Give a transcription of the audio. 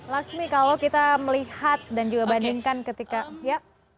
laksmi kalau kita melihat dan juga bandingkan ketika ya